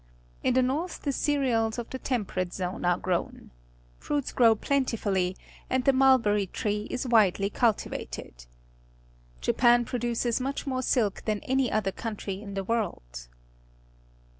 ~ In the north the cereals of the Temperate Zone are grown. Fruits p row ._ y Br.. «iin jg Sorting Tea, Japan plentifully, and the mulberrj tree is widely cultivated. Japan produces much more gilk than any other country in the world.